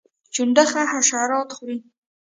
چنډخه حشرات خوري